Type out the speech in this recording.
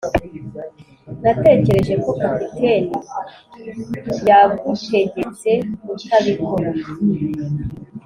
natekereje ko capitaine yagutegetse kutabikora.